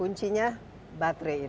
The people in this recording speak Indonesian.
kuncinya baterai itu